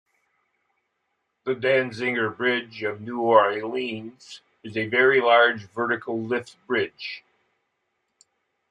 The Danziger Bridge of New Orleans is a very large vertical lift bridge.